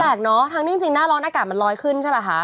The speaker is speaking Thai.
แตกเนอะทั้งที่จริงหน้าร้อนอากาศมันลอยขึ้นใช่เปล่าค่ะ